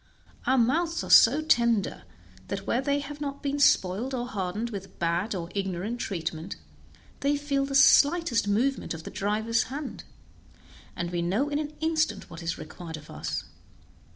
Our mouths are so tender that where they have not been spoiled or hardened with bad or ignorant treatment, they feel the slightest movement of the driver's hand, and we know in an instant what is required of us.